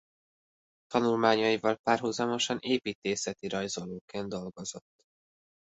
Tanulmányaival párhuzamosan építészeti rajzolóként dolgozott.